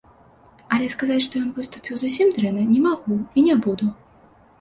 Але сказаць, што ён выступіў зусім дрэнна, не магу і не буду.